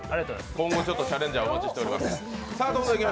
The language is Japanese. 今後チャレンジャーお待ちしております。